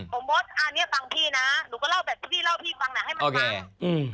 ผมว่าอันนี้ฟังพี่นะหนูก็เล่าแบบที่พี่เล่าให้พี่ฟังนะให้มันฟังอืม